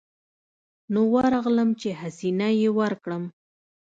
نو ورغلم چې حسنه يې ورکړم.